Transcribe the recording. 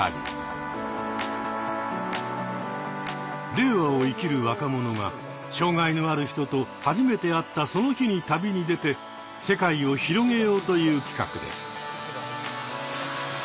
令和を生きる若者が障害のある人と初めて会ったその日に旅に出て世界を広げようという企画です。